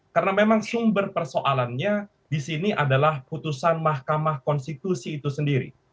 karena memang sumber persoalannya di sini adalah putusan mahkamah konstitusi itu sendiri